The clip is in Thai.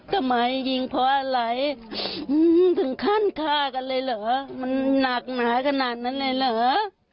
ทำไมยิงเพราะอะไรถึงขั้นฆ่ากันเลยเหรอมันหนักหนาขนาดนั้นเลยเหรอ